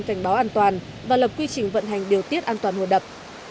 cảnh báo an toàn và lập quy trình vận hành điều tiết an toàn hồ đập